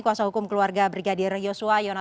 kuasa hukum keluarga brigadir yosua yono